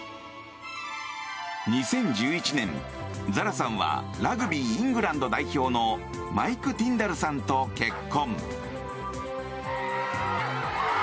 ２０１１年、ザラさんはラグビーイングランド代表のマイク・ティンダルさんと結婚。